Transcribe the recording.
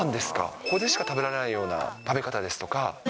ここでしか食べられないような食べ方ですとか。